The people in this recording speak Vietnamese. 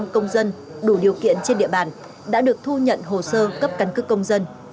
bốn sáu trăm hai mươi năm công dân đủ điều kiện trên địa bàn đã được thu nhận hồ sơ cấp căn cấp công dân